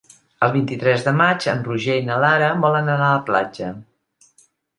El vint-i-tres de maig en Roger i na Lara volen anar a la platja.